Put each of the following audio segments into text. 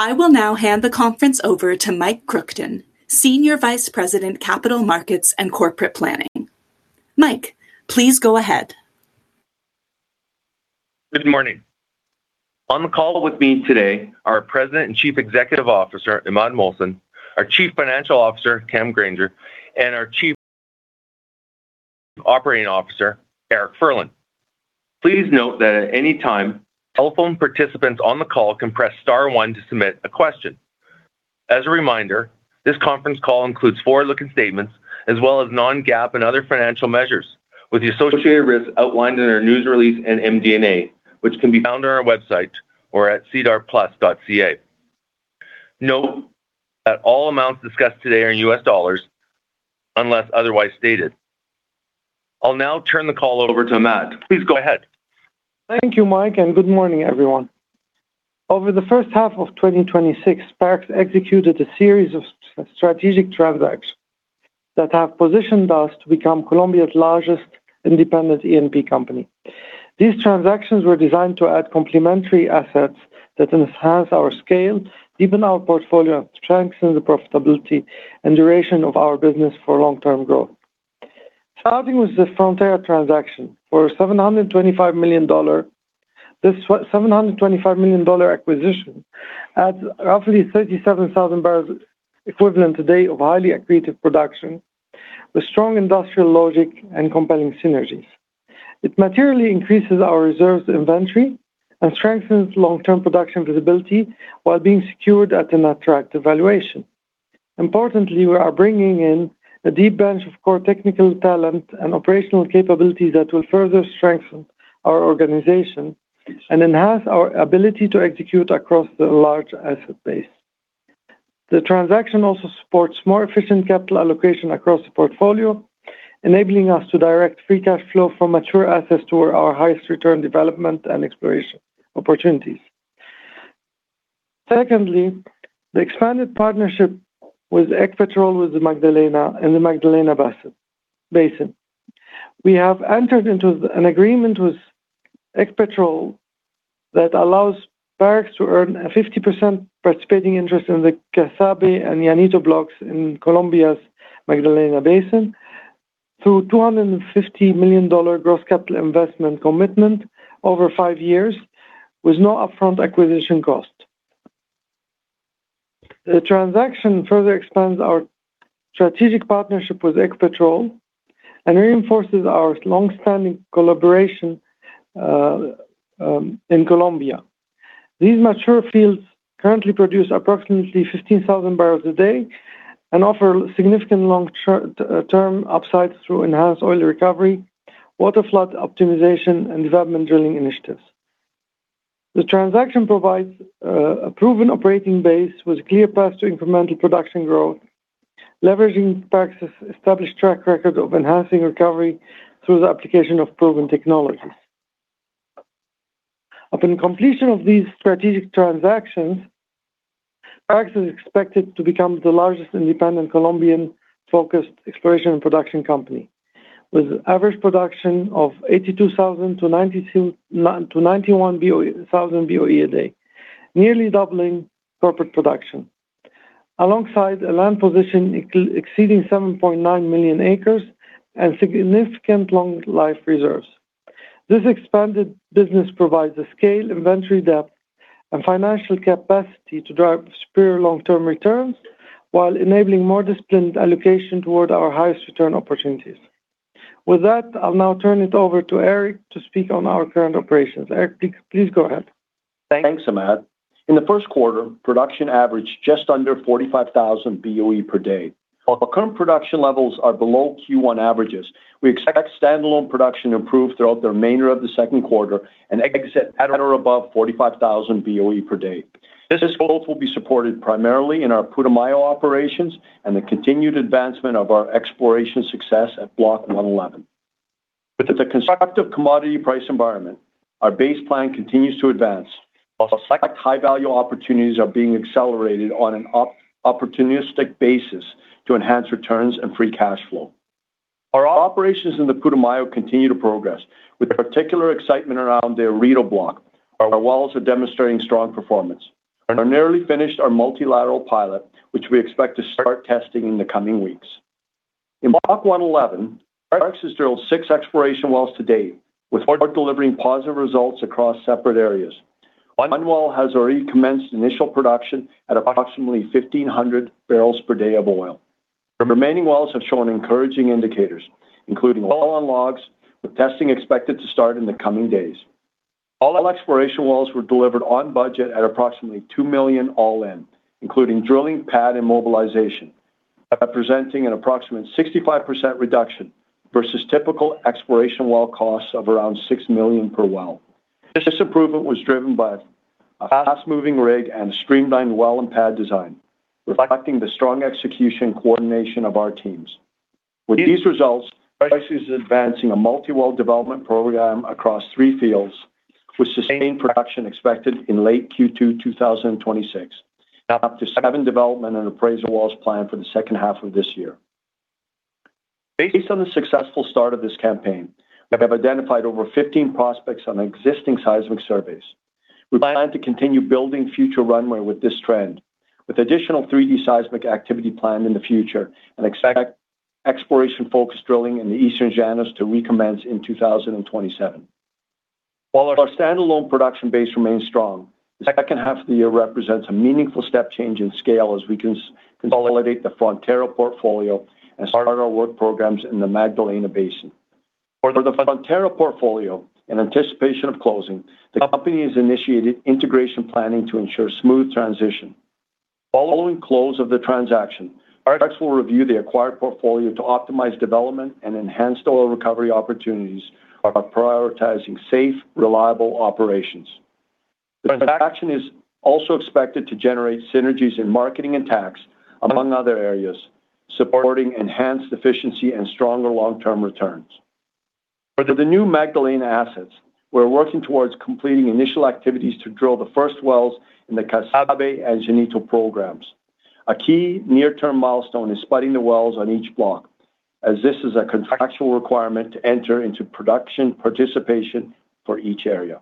I will now hand the conference over to Mike Kruchten, Senior Vice President, Capital Markets and Corporate Planning. Mike, please go ahead. Good morning. On the call with me today, our President and Chief Executive Officer, Imad Mohsen, our Chief Financial Officer, Cameron Grainger, our Chief Operating Officer, Eric Furlan. Please note that at any time, telephone participants on the call can press star one to submit a question. As a reminder, this conference call includes forward-looking statements as well as non-GAAP and other financial measures with the associated risks outlined in our news release in MD&A, which can be found on our website or at sedarplus.ca. Note that all amounts discussed today are in U.S. dollars unless otherwise stated. I'll now turn the call over to Imad. Please go ahead. Thank you, Mike, and good morning, everyone. Over the first half of 2026, Parex executed a series of strategic transactions that have positioned us to become Colombia's largest independent E&P company. These transactions were designed to add complementary assets that enhance our scale, deepen our portfolio, strengthen the profitability and duration of our business for long-term growth. Starting with the Frontera transaction for $725 million. This $725 million acquisition adds roughly 37,000 barrels equivalent today of highly accretive production with strong industrial logic and compelling synergies. It materially increases our reserves inventory and strengthens long-term production visibility while being secured at an attractive valuation. Importantly, we are bringing in a deep bench of core technical talent and operational capabilities that will further strengthen our organization and enhance our ability to execute across the large asset base. The transaction also supports more efficient capital allocation across the portfolio, enabling us to direct free cash flow from mature assets to our highest return development and exploration opportunities. Secondly, the expanded partnership with Ecopetrol with the Magdalena in the Magdalena Basin. We have entered into an agreement with Ecopetrol that allows Parex Resources to earn a 50% participating interest in the Casabe and Llanito blocks in Colombia's Magdalena Basin through $250 million gross capital investment commitment over 5 years with no upfront acquisition cost. The transaction further expands our strategic partnership with Ecopetrol and reinforces our long-standing collaboration in Colombia. These mature fields currently produce approximately 15,000 barrels a day and offer significant long-term upsides through enhanced oil recovery, water flood optimization, and development drilling initiatives. The transaction provides a proven operating base with clear paths to incremental production growth, leveraging Parex established track record of enhancing recovery through the application of proven technologies. Upon completion of these strategic transactions, Parex is expected to become the largest independent Colombian-focused exploration and production company, with average production of 82,000-91,000 boe a day, nearly doubling corporate production, alongside a land position exceeding 7.9 million acres and significant long life reserves. This expanded business provides the scale, inventory depth, and financial capacity to drive superior long-term returns while enabling more disciplined allocation toward our highest return opportunities. With that, I'll now turn it over to Eric to speak on our current operations. Eric, please go ahead. Thanks, Imad. In the first quarter, production averaged just under 45,000 boe per day. While current production levels are below Q1 averages, we expect standalone production to improve throughout the remainder of the second quarter and exit at or above 45,000 boe per day. This growth will be supported primarily in our Putumayo operations and the continued advancement of our exploration success at Block 111. With the constructive commodity price environment, our base plan continues to advance while select high-value opportunities are being accelerated on an opportunistic basis to enhance returns and free cash flow. Our operations in the Putumayo continue to progress with particular excitement around the Arauca Block, where our wells are demonstrating strong performance and are nearly finished our multilateral pilot, which we expect to start testing in the coming weeks. In Block 111, Parex has drilled six exploration wells to date, with four delivering positive results across separate areas. One well has already commenced initial production at approximately 1,500 barrels per day of oil. The remaining wells have shown encouraging indicators, including oil on logs, with testing expected to start in the coming days. All exploration wells were delivered on budget at approximately $2 million all-in, including drilling, pad, and mobilization, representing an approximate 65% reduction versus typical exploration well costs of around $6 million per well. This improvement was driven by a fast-moving rig and a streamlined well and pad design, reflecting the strong execution coordination of our teams. With these results, Parex is advancing a multi-well development program across three fields, with sustained production expected in late Q2 2026. Up to seven development and appraisal wells planned for the second half of this year. Based on the successful start of this campaign, we have identified over 15 prospects on existing seismic surveys. We plan to continue building future runway with this trend, with additional 3-D seismic activity planned in the future and expect exploration-focused drilling in the Eastern Llanos to recommence in 2027. While our standalone production base remains strong, the second half of the year represents a meaningful step change in scale as we consolidate the Frontera portfolio and start our work programs in the Magdalena Basin. For the Frontera portfolio, in anticipation of closing, the company has initiated integration planning to ensure smooth transition. Following close of the transaction, our experts will review the acquired portfolio to optimize development and enhance oil recovery opportunities while prioritizing safe, reliable operations. The transaction is also expected to generate synergies in marketing and tax, among other areas, supporting enhanced efficiency and stronger long-term returns. For the new Magdalena assets, we're working towards completing initial activities to drill the first wells in the Casabe and Llanos programs. A key near-term milestone is spotting the wells on each block, as this is a contractual requirement to enter into production participation for each area.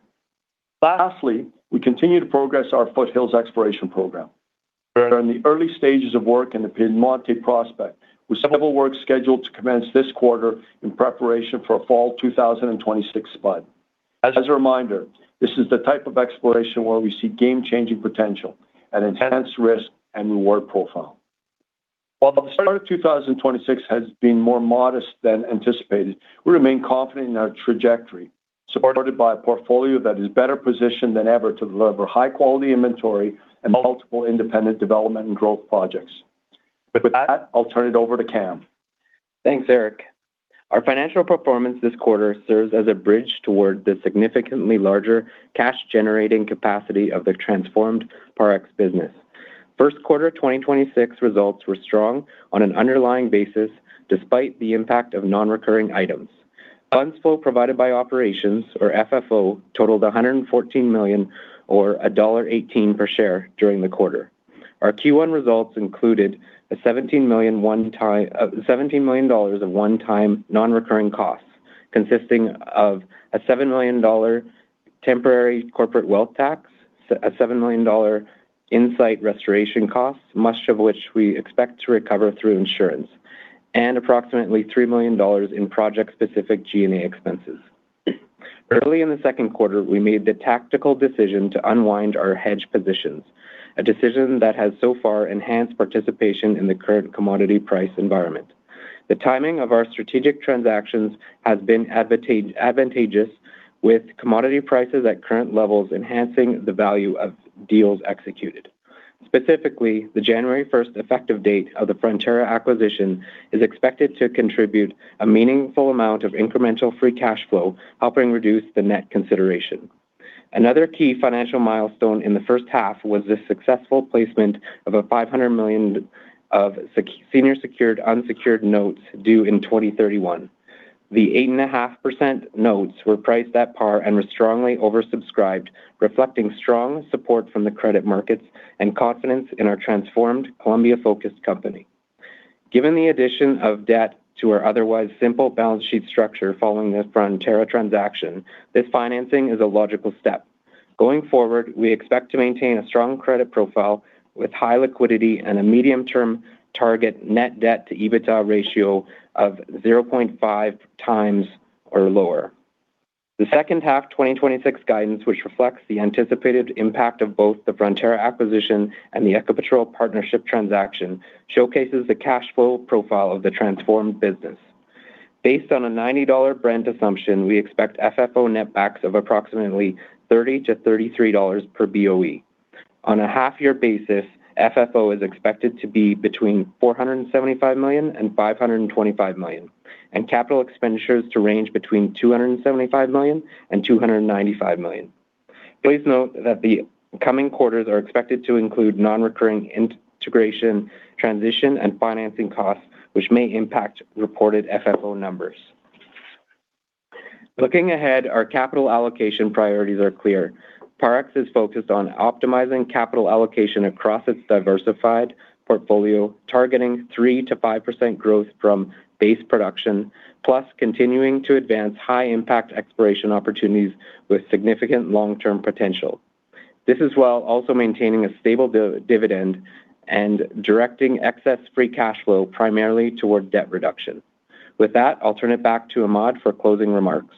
Lastly, we continue to progress our Foothills exploration program. We are in the early stages of work in the Piedemonte prospect, with several works scheduled to commence this quarter in preparation for a fall 2026 spud. As a reminder, this is the type of exploration where we see game-changing potential and enhanced risk and reward profile. While the start of 2026 has been more modest than anticipated, we remain confident in our trajectory, supported by a portfolio that is better positioned than ever to deliver high-quality inventory and multiple independent development and growth projects. With that, I'll turn it over to Cam. Thanks, Eric. Our financial performance this quarter serves as a bridge toward the significantly larger cash-generating capacity of the transformed Parex business. First quarter 2026 results were strong on an underlying basis despite the impact of non-recurring items. Funds flow provided by operations or FFO totaled $114 million or $1.18 per share during the quarter. Our Q1 results included $17 million of one-time non-recurring costs, consisting of a $7 million temporary corporate wealth tax, a $7 million in site restoration cost, much of which we expect to recover through insurance, and approximately $3 million in project-specific G&A expenses. Early in the second quarter, we made the tactical decision to unwind our hedge positions, a decision that has so far enhanced participation in the current commodity price environment. The timing of our strategic transactions has been advantageous with commodity prices at current levels enhancing the value of deals executed. Specifically, the January 1st effective date of the Frontera acquisition is expected to contribute a meaningful amount of incremental free cash flow, helping reduce the net consideration. Another key financial milestone in the first half was the successful placement of a $500 million of senior secured unsecured notes due in 2031. The 8.5% notes were priced at par and were strongly oversubscribed, reflecting strong support from the credit markets and confidence in our transformed Colombia-focused company. Given the addition of debt to our otherwise simple balance sheet structure following this Frontera transaction, this financing is a logical step. Going forward, we expect to maintain a strong credit profile with high liquidity and a medium-term target net debt to EBITDA ratio of 0.5x or lower. The second half 2026 guidance, which reflects the anticipated impact of both the Frontera acquisition and the Ecopetrol partnership transaction, showcases the cash flow profile of the transformed business. Based on a $90 Brent assumption, we expect FFO net backs of approximately $30-$33 per boe. On a half-year basis, FFO is expected to be between $475 million and $525 million, and capital expenditures to range between $275 million and $295 million. Please note that the coming quarters are expected to include non-recurring integration, transition, and financing costs, which may impact reported FFO numbers. Looking ahead, our capital allocation priorities are clear. Parex is focused on optimizing capital allocation across its diversified portfolio, targeting 3%-5% growth from base production, plus continuing to advance high-impact exploration opportunities with significant long-term potential. This is while also maintaining a stable dividend and directing excess free cash flow primarily toward debt reduction. With that, I'll turn it back to Imad for closing remarks.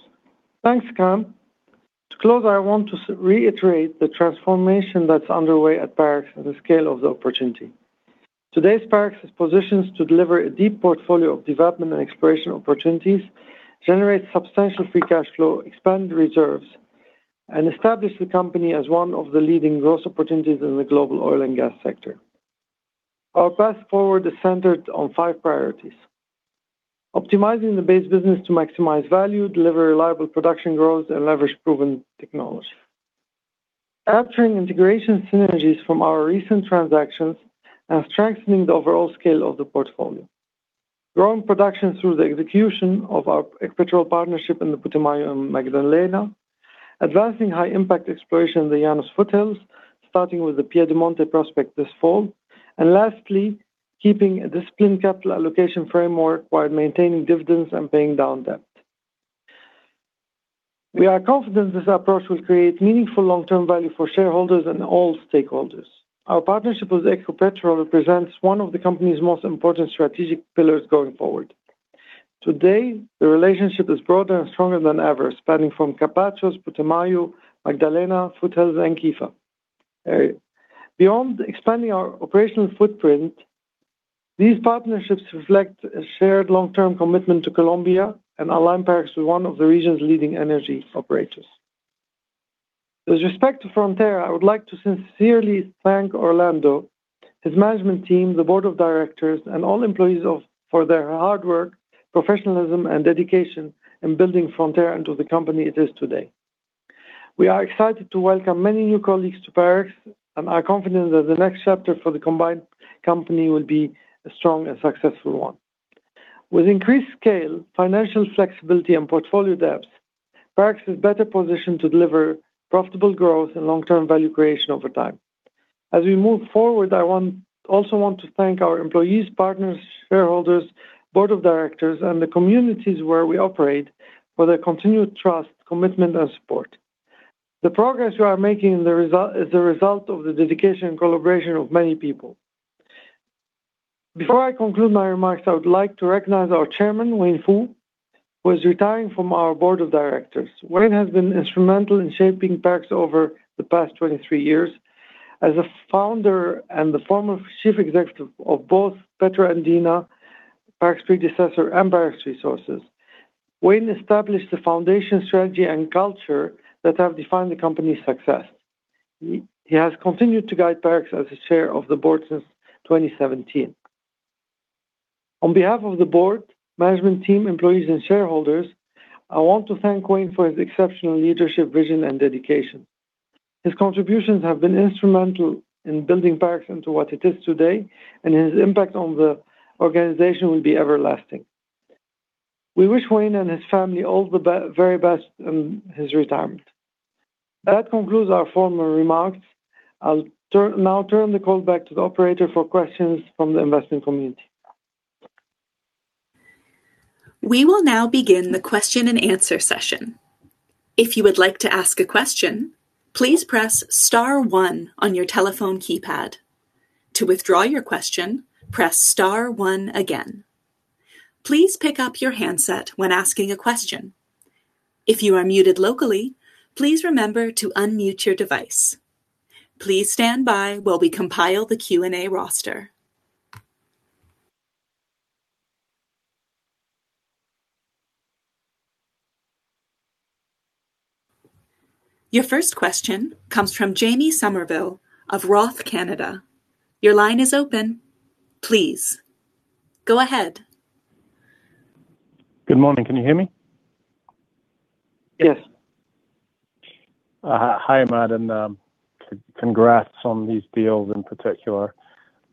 Thanks, Cam. To close, I want to reiterate the transformation that's underway at Parex and the scale of the opportunity. Today's Parex is positioned to deliver a deep portfolio of development and exploration opportunities, generate substantial free cash flow, expand reserves, and establish the company as one of the leading growth opportunities in the global oil and gas sector. Our path forward is centered on five priorities: optimizing the base business to maximize value, deliver reliable production growth, and leverage proven technology. Capturing integration synergies from our recent transactions and strengthening the overall scale of the portfolio. Growing production through the execution of our Ecopetrol partnership in the Putumayo and Magdalena. Advancing high impact exploration in the Llanos Foothills, starting with the Piedemonte prospect this fall. Lastly, keeping a disciplined capital allocation framework while maintaining dividends and paying down debt. We are confident this approach will create meaningful long-term value for shareholders and all stakeholders. Our partnership with Ecopetrol represents one of the company's most important strategic pillars going forward. Today, the relationship is broader and stronger than ever, spanning from Capachos, Putumayo, Magdalena, Foothills, and Quifa. Beyond expanding our operational footprint, these partnerships reflect a shared long-term commitment to Colombia and align Parex with one of the region's leading energy operators. With respect to Frontera, I would like to sincerely thank Orlando, his management team, the board of directors, and all employees for their hard work, professionalism, and dedication in building Frontera into the company it is today. We are excited to welcome many new colleagues to Parex, and are confident that the next chapter for the combined company will be a strong and successful one. With increased scale, financial flexibility, and portfolio depth, Parex is better positioned to deliver profitable growth and long-term value creation over time. As we move forward, I also want to thank our employees, partners, shareholders, board of directors, and the communities where we operate for their continued trust, commitment, and support. The progress we are making is the result of the dedication and collaboration of many people. Before I conclude my remarks, I would like to recognize our Chairman, Wayne Foo, who is retiring from our board of directors. Wayne has been instrumental in shaping Parex over the past 23 years. As a founder and the former Chief Executive of both Petro Andina, Parex predecessor and Parex Resources, Wayne established the foundation, strategy, and culture that have defined the company's success. He has continued to guide Parex as the Chair of the Board since 2017. On behalf of the Board, management team, employees, and shareholders, I want to thank Wayne for his exceptional leadership, vision, and dedication. His contributions have been instrumental in building Parex into what it is today. His impact on the organization will be everlasting. We wish Wayne and his family all the very best in his retirement. That concludes our formal remarks. I'll now turn the call back to the operator for questions from the investment community. We will now begin the question-and-answer session. If you would like to ask a question, please press star one on your telephone keypad. To withdraw your question, press star one again. Please pick up your handset when asking a question. If you are muted locally, please remember to unmute your device. Please stand by while we compile the Q&A roster. Your first question comes from Jamie Somerville of Roth Canada. Your line is open. Please, go ahead. Good morning. Can you hear me? Yes. Hi, Imad, and congrats on these deals in particular.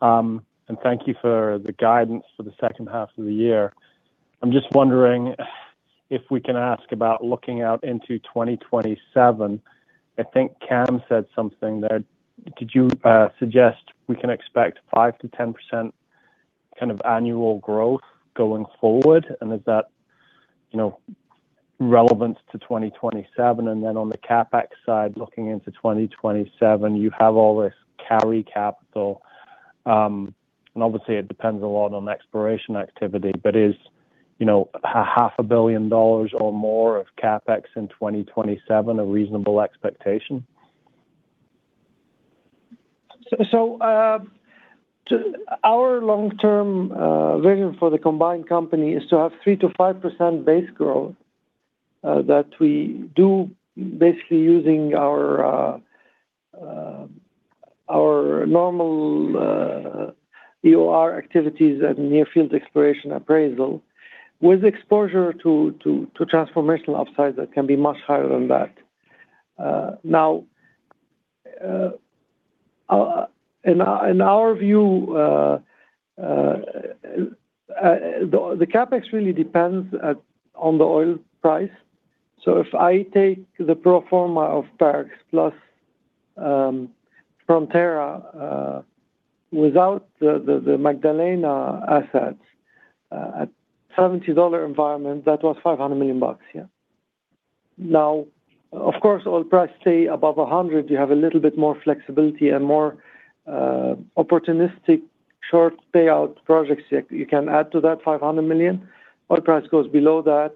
Thank you for the guidance for the second half of the year. I'm just wondering if we can ask about looking out into 2027. I think Cam said something. Did you suggest we can expect 5%-10% kind of annual growth going forward? Is that, you know, relevant to 2027? On the CapEx side, looking into 2027, you have all this carry capital. Obviously it depends a lot on exploration activity, but is, you know, a half a billion dollars or more of CapEx in 2027 a reasonable expectation? Our long-term vision for the combined company is to have 3%-5% base growth that we do basically using our normal EOR activities and near-field exploration appraisal, with exposure to transformational upsides that can be much higher than that. Now, in our view, the CapEx really depends on the oil price. If I take the pro forma of Parex plus Frontera, without the Magdalena assets, at $70 environment, that was $500 million, yeah. Now, of course, oil price stay above $100, you have a little bit more flexibility and more opportunistic short payout projects that you can add to that $500 million. Oil price goes below that,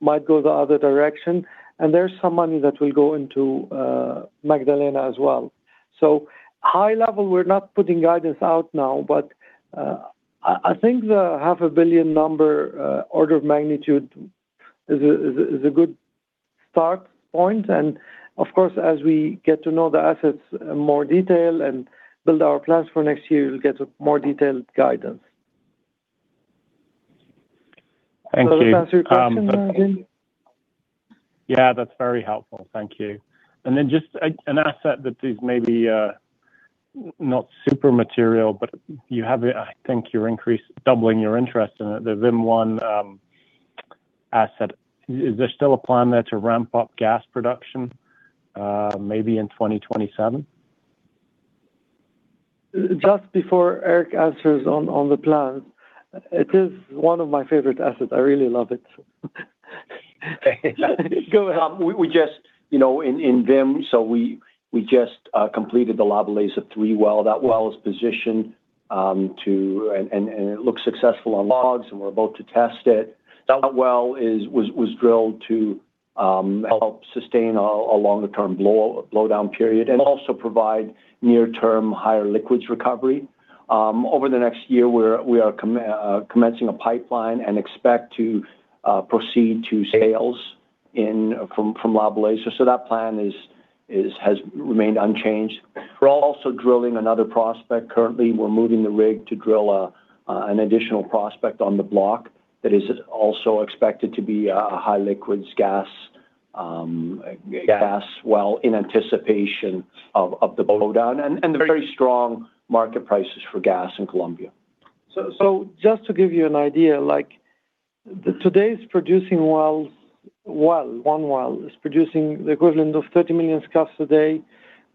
might go the other direction. There's some money that will go into Magdalena as well. High level, we're not putting guidance out now, but I think the half a billion number, order of magnitude is a good start point. Of course, as we get to know the assets in more detail and build our plans for next year, you'll get a more detailed guidance. Thank you. Does that answer your question, Jamie? Yeah, that's very helpful. Thank you. Just an asset that is maybe Not super material, but you have, doubling your interest in the VIM-1 asset. Is there still a plan there to ramp up gas production, maybe in 2027? Just before Eric answers on the plan, it is one of my favorite assets. I really love it. Go ahead. We, we just, you know, in VIM, we just completed the La Belleza-3 well. That well is positioned. It looks successful on logs, and we're about to test it. That well was drilled to help sustain a longer-term blow down period and also provide near-term higher liquids recovery. Over the next year, we are commencing a pipeline and expect to proceed to sales from La Belleza. That plan has remained unchanged. We're also drilling another prospect. Currently, we're moving the rig to drill an additional prospect on the block that is also expected to be a high liquids gas, a gas well in anticipation of the blow down and very strong market prices for gas in Colombia. Just to give you an idea, like today's producing wells, one well is producing the equivalent of 30 million scf a day,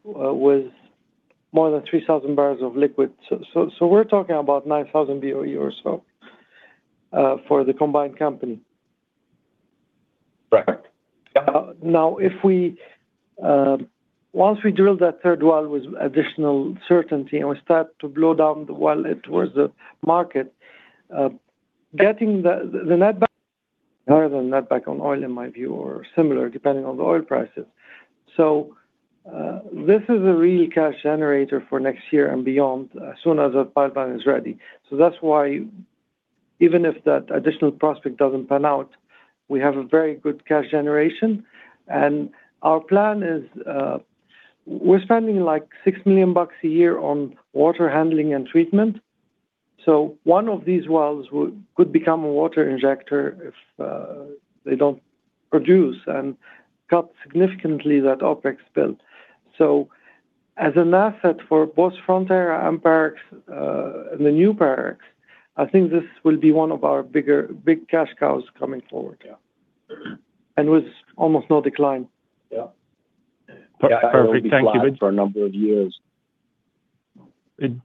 with more than 3,000 barrels of liquid. We're talking about 9,000 boe or so for the combined company. Correct. Yeah. Now, if we once we drill that third well with additional certainty and we start to blow down the well towards the market, getting the net back higher than net back on oil, in my view, or similar, depending on the oil prices. This is a real cash generator for next year and beyond, as soon as the pipeline is ready. That's why even if that additional prospect doesn't pan out, we have a very good cash generation. Our plan is, we're spending, like, $6 million a year on water handling and treatment. One of these wells could become a water injector if they don't produce and cut significantly that OpEx spend. As an asset for both Frontera and Parex, the new Parex, I think this will be one of our big cash cows coming forward. Yeah. With almost no decline. Yeah. Perfect, thank you. It will be flat for a number of years.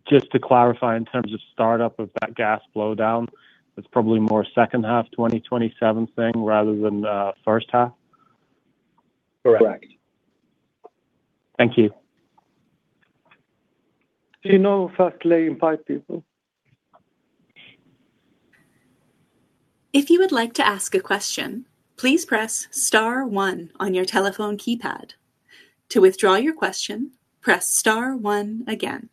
Just to clarify, in terms of startup of that gas blowdown, it's probably more second half 2027 thing rather than first half? Correct. Correct. Thank you. Do you know, firstly, invite people? If you would like to ask a question please press star one on your telephone keypad. To withdraw your question, press star one again.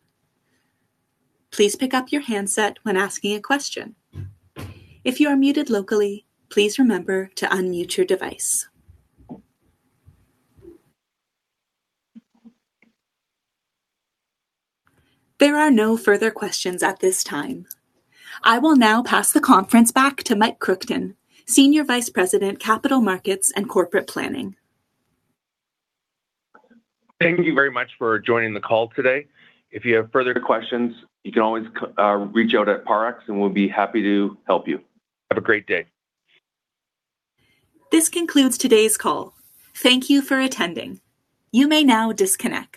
Please pick up your handset when asking a question. If you are muted locally, please remember to unmute your device. There are no further questions at this time. I will now pass the conference back to Mike Kruchten, Senior Vice President, Capital Markets and Corporate Planning. Thank you very much for joining the call today. If you have further questions, you can always reach out at Parex, and we'll be happy to help you. Have a great day. This concludes today's call. Thank you for attending. You may now disconnect.